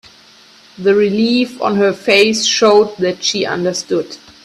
The relief on her face showed that she understood.